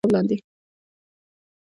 هلته مې ایښې یوه لجرمه د کتاب لاندې